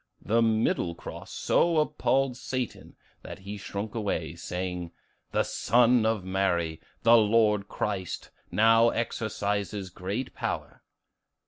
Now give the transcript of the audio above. The middle cross so appalled Satan that he shrunk away, saying, 'The Son of Mary, the Lord Christ, now exercises great power.